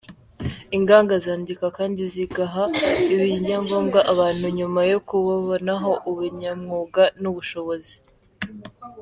Inganga zandika kandi zigaha ibyangombwa abantu nyuma yo kubabonaho ubunyamwuga n’ubushobozi.